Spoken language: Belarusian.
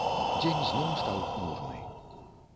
Дзень зноў стаў хмурны.